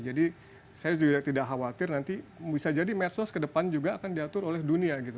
jadi saya juga tidak khawatir nanti bisa jadi medsos ke depan juga akan diatur oleh dunia gitu